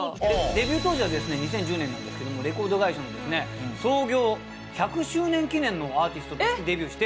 デビュー当時は２０１０年なんですけどもレコード会社の創業１００周年記念のアーティストとしてデビューして。